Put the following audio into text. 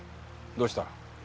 どうした？